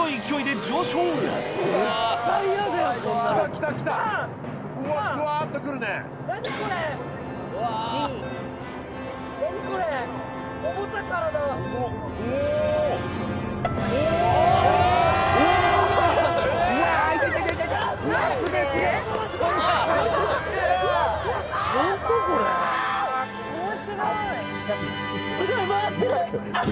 すごい回ってるアハハ。